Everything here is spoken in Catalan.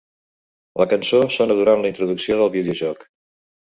La cançó sona durant la introducció del videojoc.